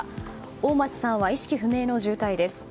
大町さんは意識不明の重体です。